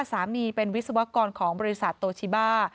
สามีเป็นวิศวกรของบริษัทโตชิบ้า